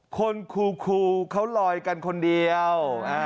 ครูเขาลอยกันคนเดียว